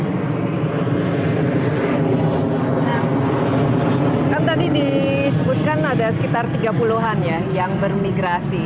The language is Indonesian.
nah kan tadi disebutkan ada sekitar tiga puluh an ya yang bermigrasi